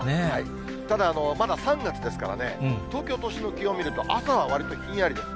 ただ、まだ３月ですからね、東京都心の気温見ると、朝はわりとひんやりです。